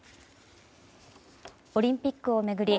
オリンピックを巡り